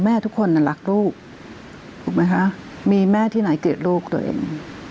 ทุกคนรักลูกถูกไหมคะมีแม่ที่ไหนเกลียดลูกตัวเอง